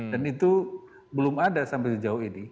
dan itu belum ada sampai sejauh ini